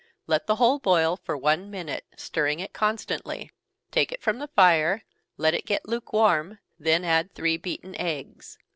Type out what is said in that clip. Let the whole boil for one minute, stirring it constantly take it from the fire, let it get lukewarm, then add three beaten eggs.